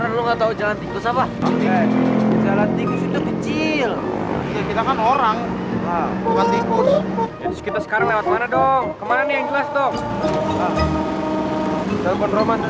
nah iya telfon romantik